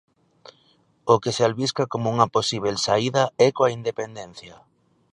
O que se albisca como unha posíbel saída é coa independencia.